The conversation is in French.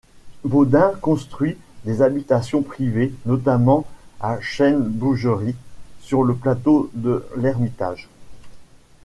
Baudin construit des habitations privées, notamment à Chêne-Bougeries, sur le plateau de l’Ermitage.